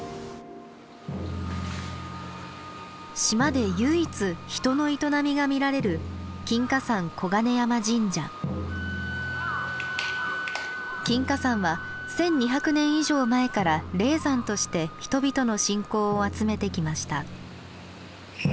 島で唯一人の営みが見られる金華山は１，２００年以上前から霊山として人々の信仰を集めてきました。